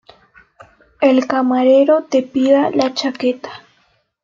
el camarero te pida la chaqueta